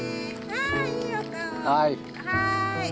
はい。